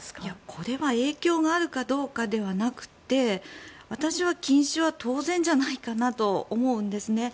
これは影響があるかどうかではなくて私は禁止は当然じゃないかなと思うんですね。